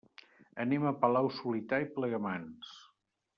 Anem a Palau-solità i Plegamans.